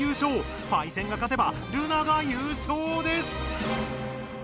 パイセンが勝てばルナが優勝です！